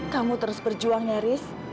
kamu terus berjuang ya riz